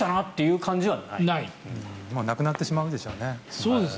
なくなってしまうんでしょうね。